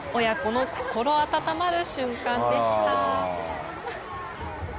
親子の心温まる瞬間でした。